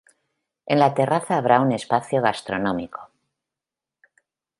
En la terraza habrá un espacio gastronómico.